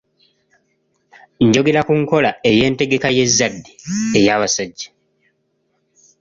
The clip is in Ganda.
Njogera ku nkola ey’entegeka y’ezzadde, ey'abasajja.